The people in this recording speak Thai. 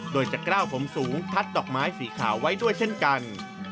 โดยจะกล้าวผมสูงทัดดอกไม้สีขาวไว้ด้วยเช่นกัน